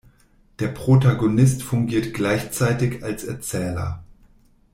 Der Protagonist fungiert gleichzeitig als Erzähler.